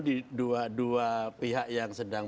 di dua dua pihak yang sedang